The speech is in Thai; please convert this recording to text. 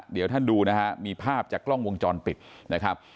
เดี๋ยวท่านดูนะฮะมีภาพจากกล้องวงจรปิดนะครับ